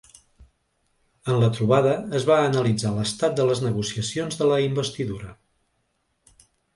En la trobada es va analitzar l’estat de les negociacions de la investidura.